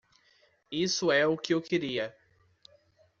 Isso é o que eu queria.